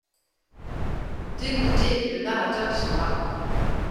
Dégouté, le narrateur s'en va.